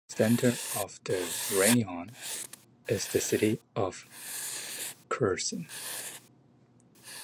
The center of the raion is the city of Kherson.